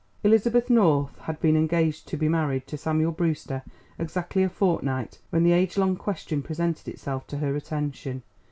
Elizabeth North had been engaged to be married to Samuel Brewster exactly a fortnight when the age long question presented itself to her attention.